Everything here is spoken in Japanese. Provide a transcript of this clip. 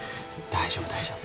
大丈夫大丈夫。